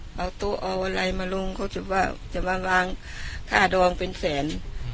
เอาตัวอวรัยมาลงเขาจะวางค่าดองเป็นแสน